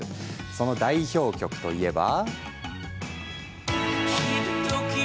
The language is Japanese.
その代表曲といえば。